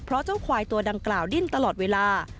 เพราะเจ้าควายตัวดังกล่าวดิ้นตลอดเวลา